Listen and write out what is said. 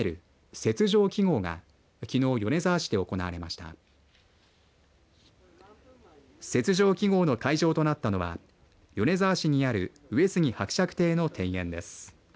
雪上揮ごうの会場となったのは米沢市にある上杉伯爵邸の庭園です。